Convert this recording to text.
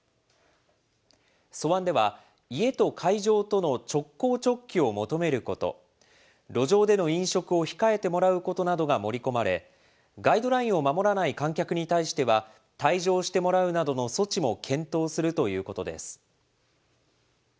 素案では、家と会場との直行・直帰を求めること、路上での飲食を控えてもらうことなどが盛り込まれ、ガイドラインを守らない観客に対しては、退場してもらうなどの措置も検討するということです。